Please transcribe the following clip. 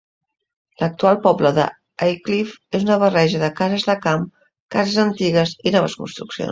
L'actual poble de Aycliffe és una barreja de cases de camp, cases antigues i noves construccions.